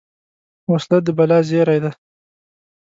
وسله د بلا زېری ده